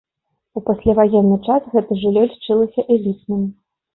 У пасляваенны час гэта жыллё лічылася элітным.